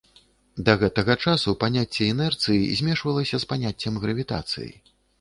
Да гэтага часу паняцце інерцыі змешвалася з паняццем гравітацыі.